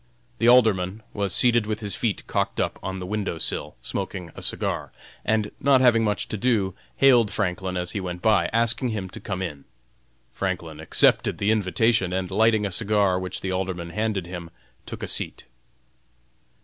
The Alderman was seated with his feet cocked up on the window sill, smoking a cigar, and, not having much to do, hailed Franklin as he went by, asking him to come in. Franklin accepted the invitation, and lighting a cigar which the Alderman handed him, took a seat.